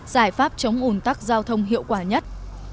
giải pháp chống ủn tắc giao thông hiệu quả nhất